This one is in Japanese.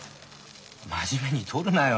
真面目にとるなよ。